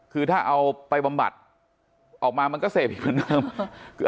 คือถ้าเอาไปบำบัดออกมามันก็เสพอีกเหมือนเดิม